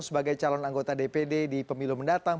sebagai calon anggota dpd di pemilu mendatang